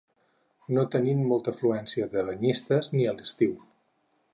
No tenint molta afluència de banyistes, ni a l'estiu.